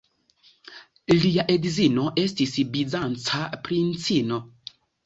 Lia edzino estis bizanca princino.